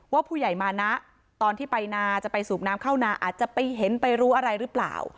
ผู้ใหญ่มานะตอนที่ไปนาจะไปสูบน้ำเข้านาอาจจะไปเห็นไปรู้อะไรหรือเปล่า